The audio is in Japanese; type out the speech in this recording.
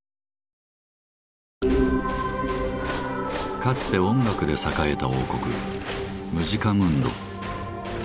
かつて音楽で栄えた王国「ムジカムンド」。